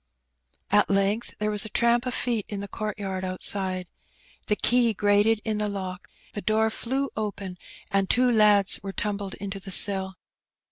At length there was a tramp of feet in the court yard outside. The key grated in the lock, the door flew open, and two lads were tumbled into the cell.